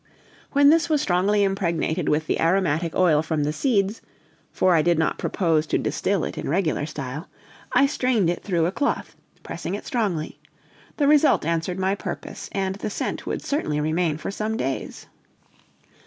When this was strongly impregnated with the aromatic oil from the seeds (for I did not propose to distill it in regular style), I strained it through a cloth, pressing it strongly; the result answered my purpose, and the scent would certainly remain for some days.